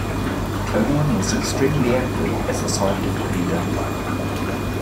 Covian was extremely active as a scientific leader.